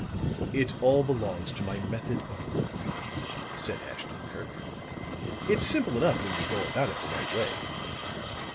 "It all belongs to my method of work," said Ashton Kirk. "It's simple enough when you go about it the right way.